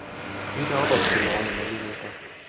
Mitä odotti maailma minulta?